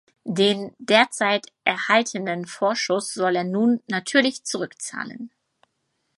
Den derzeit erhaltenen Vorschuss soll er nun natürlich zurückzahlen.